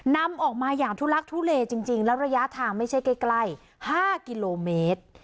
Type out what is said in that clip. นำออกมาอย่างทุลักทุเลจริงแล้วระยะทางไม่ใช่ใกล้๕กิโลเมตร